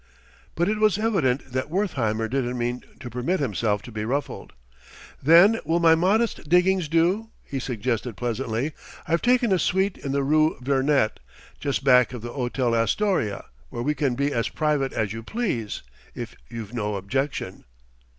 But it was evident that Wertheimer didn't mean to permit himself to be ruffled. "Then will my modest diggings do?" he suggested pleasantly. "I've taken a suite in the rue Vernet, just back of the Hôtel Astoria, where we can be as private as you please, if you've no objection."